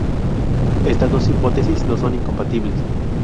Estas dos hipótesis no son incompatibles.